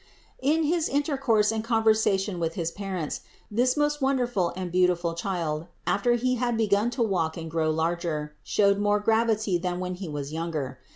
699. In his intercourse and conversation with his parents, this most wonderful and beautiful Child, after He had begun to walk and grow larger, showed more gravity than when He was younger.